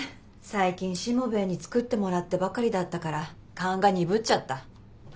最近しもべえに作ってもらってばかりだったから勘が鈍っちゃった。